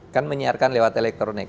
kan menyiarkan lewat elektronik